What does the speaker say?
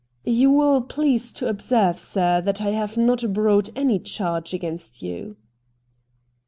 'You will please to observe, sir, that I have not brought any charge against you.'